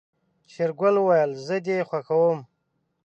شېرګل وويل زه دې خوښوم.